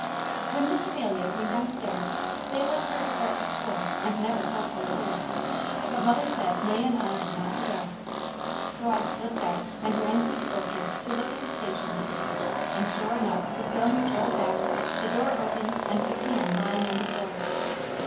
When Miss Amelia came downstairs they let her start to school and never told her a word, but mother said May and I were not to go. So I slipped out and ran through the orchard to look at the Station, and sure enough! the stone was rolled back, the door open and the can lying on the floor.